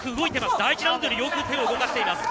第１ラウンドよりよく手を動かしています。